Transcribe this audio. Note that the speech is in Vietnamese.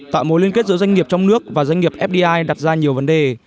tạo mối liên kết giữa doanh nghiệp trong nước và doanh nghiệp fdi đặt ra nhiều vấn đề